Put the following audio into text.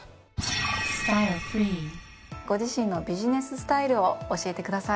ご自身のビジネススタイルを教えてください。